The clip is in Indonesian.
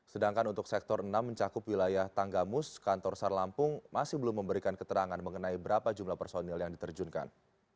sedangkan untuk sektor enam mencakup wilayah tanggamus kantor sar lampung masih belum memberikan keterangan mengenai berapa jumlah personil yang diterjunkan